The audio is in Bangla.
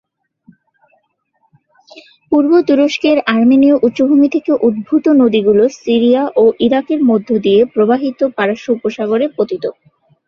পূর্ব তুরস্কের আর্মেনীয় উচ্চভূমি থেকে উদ্ভূত নদীগুলো সিরিয়া ও ইরাকের মধ্য দিয়ে প্রবাহিত হয়ে পারস্য উপসাগরে পতিত।